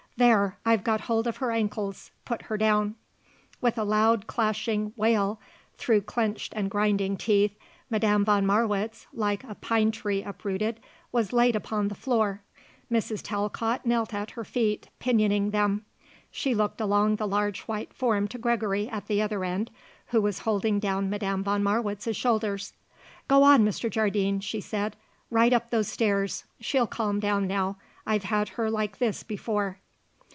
"There; I've got hold of her ankles. Put her down." With a loud, clashing wail through clenched and grinding teeth, Madame von Marwitz, like a pine tree uprooted, was laid upon the floor. Mrs. Talcott knelt at her feet, pinioning them. She looked along the large white form to Gregory at the other end, who was holding down Madame von Marwitz's shoulders. "Go on, Mr. Jardine," she said. "Right up those stairs. She'll calm down now. I've had her like this before."